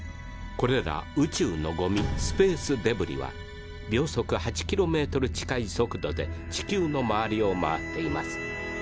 これら宇宙のゴミスペースデブリは秒速８キロメートル近い速度で地球の周りを回っています。